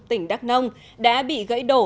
tỉnh đắk nông đã bị gãy đổ